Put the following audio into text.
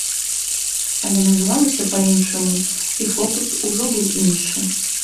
Але называлася па-іншаму, і фокус ужо быў іншы.